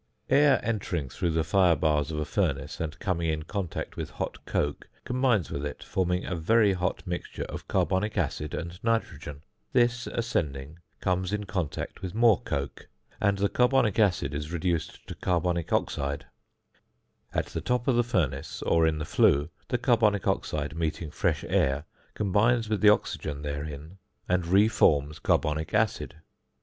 Air entering through the fire bars of a furnace and coming in contact with hot coke combines with it, forming a very hot mixture of carbonic acid and nitrogen; this ascending, comes in contact with more coke, and the carbonic acid is reduced to carbonic oxide; at the top of the furnace, or in the flue, the carbonic oxide meeting fresh air, combines with the oxygen therein and re forms carbonic acid.